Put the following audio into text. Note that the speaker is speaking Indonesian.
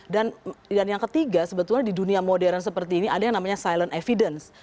dan yang ketiga sebetulnya di dunia modern seperti ini ada yang namanya silent evidence